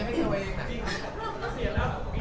สวัสดีครับ